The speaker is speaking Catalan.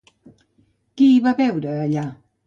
Qui hi va veure allà?